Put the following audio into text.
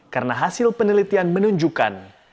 karena hasil penelitian menunjukkan